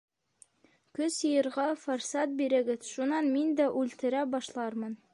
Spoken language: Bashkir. — Көс йыйырға форсат бирегеҙ, шунан мин дә үлтерә башлармын.